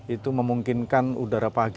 itu memungkinkan udara pagi ini segar